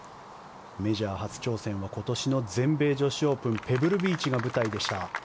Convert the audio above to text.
メジャー初挑戦は今年の全米女子オープンペブルビーチが舞台でした。